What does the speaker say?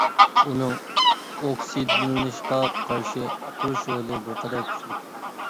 ئۇنىڭ ئوكسىدلىنىشقا قارشى تۇرۇش رولى بىرقەدەر كۈچلۈك.